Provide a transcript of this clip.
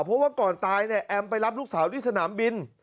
เพราะว่าก่อนตายเนี่ยแอมไปรับลูกสาวที่สนามบิน